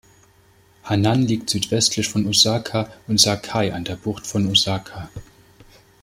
Hannan liegt südwestlich von Osaka und Sakai an der Bucht von Osaka.